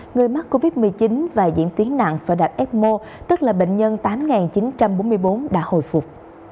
người mắc covid một mươi chín và diễn tiến nặng phải đặt ecmo tức là bệnh nhân tám chín trăm bốn mươi bốn đã hồi phục